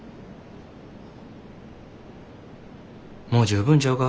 もう十分ちゃうか？